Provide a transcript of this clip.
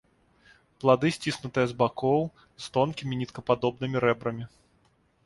Плады сціснутыя з бакоў, з тонкімі ніткападобнымі рэбрамі.